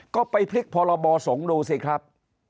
ก็ไปพลิกพรบสงฆ์ดูสิครับ